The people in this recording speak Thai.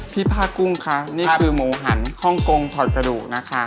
พี่ผ้ากุ้งค่ะนี่คือหมูหันฮ่องกงถอดกระดูกนะคะ